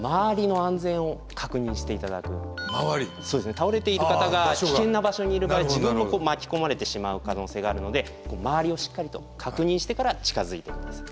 倒れている方が危険な場所にいる場合自分も巻き込まれてしまう可能性があるので周りをしっかりと確認してから近づいて下さい。